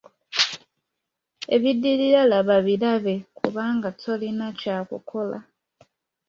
Ebiddirira laba birabe kubanga tolina kya kukola.